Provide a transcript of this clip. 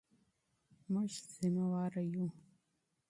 موږ مسؤل یو.